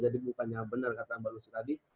jadi bukannya bener kata mbak lucy tadi